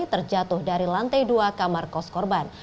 terjatuh dari lantai dua kamar kos korban